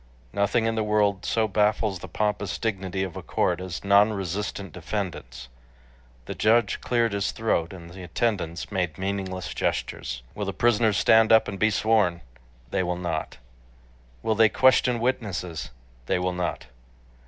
Nothing in the world so baffles the pompous dignity of a court as non resistant defendants. The judge cleared his throat and the attendants made meaningless gestures. "Will the prisoners stand up and be sworn?" They will not. "Will they question witnesses?" They will not.